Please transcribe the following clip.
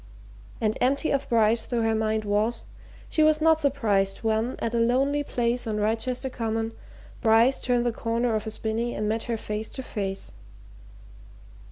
And empty of Bryce though her mind was, she was not surprised when, at a lonely place on Wrychester Common, Bryce turned the corner of a spinny and met her face to face.